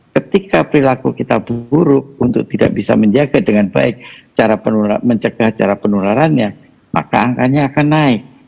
ketika perilaku kita buruk untuk tidak bisa menjaga dengan baik cara mencegah cara penularannya maka angkanya akan naik